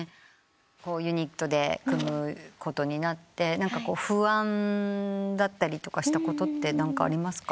ユニットで組むことになって不安だったりしたことってありますか？